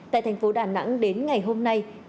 tại thành phố đà nẵng đến ngày hôm nay